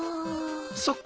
そっか。